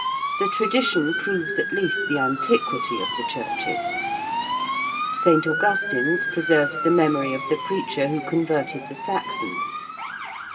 The tradition proves at least the antiquity of the churches. St. Augustine's preserves the memory of the preacher who converted the Saxons.